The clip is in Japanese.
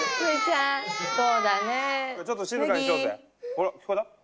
ほら聞こえた？